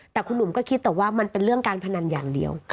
แต่คุณหนุ่มก็คิดแต่ว่ามันเป็นเรื่องการพนันอย่างเดียว